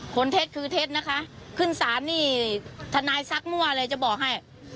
เท็จคือเท็จนะคะขึ้นศาลนี่ทนายซักมั่วเลยจะบอกให้